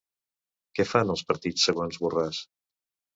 Què fan els partits, segons Borràs?